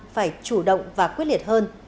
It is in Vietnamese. phải chủ động và quyết liệt hơn